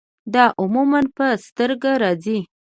دا عموماً پۀ سترګه راځي